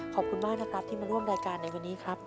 ขอบคุณมากนะครับที่มาร่วมรายการในวันนี้ครับ